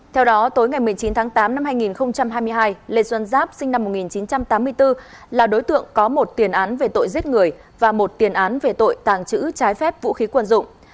theo đó tối ngày một mươi chín tháng tám năm hai nghìn hai mươi hai lê xuân giáp sinh năm một nghìn chín trăm tám mươi bốn là đối tượng có một tiền án về tội giết người và một tiền án về tội tàng trữ trái phép vũ khí quân dụng